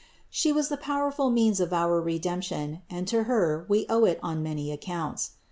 She was the power ful means of our Redemption and to Her we owe it on many accounts.